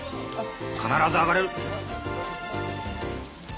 必ず上がれる。